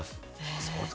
そうですか。